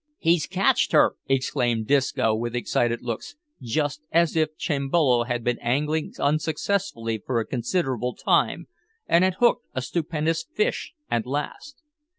"He's catched her!" exclaimed Disco, with excited looks, just as if Chimbolo had been angling unsuccessfully for a considerable time, and had hooked a stupendous fish at last.